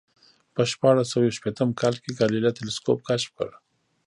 په شپاړس سوه یو شپېتم کال کې ګالیله تلسکوپ کشف کړ